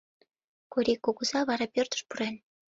Корий кугыза вара пӧртыш пурен.